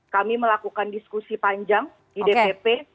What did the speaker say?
kami melakukan diskusi panjang di dpp